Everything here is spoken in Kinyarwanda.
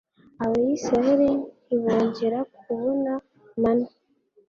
abayisraheli ntibongera kubona manu